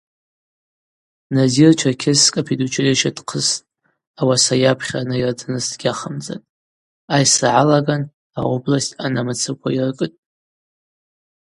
Назир Черкесск апедучилища дхъысхтӏ, ауаса йапхьара найырдзарныс дгьахамдзатӏ: айсра гӏалаган аобласть анамыцаква йыркӏытӏ.